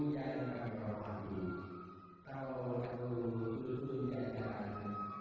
kalau berdua berdua berjalan